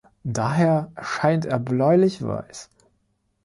Daher erscheint er bläulich-weiß.